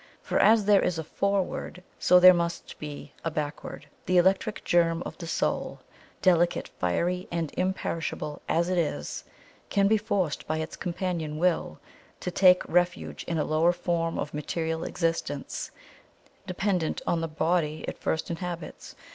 For as there is a Forward, so there must be a Backward. The electric germ of the Soul delicate, fiery, and imperishable as it is can be forced by its companion Will to take refuge in a lower form of material existence, dependent on the body it first inhabits.